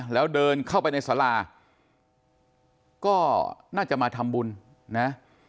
แล้วเดินเข้าไปในสาราก็น่าจะมาทำบุญนะ